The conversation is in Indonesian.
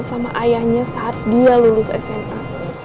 sama ayahnya saat dia lulus sma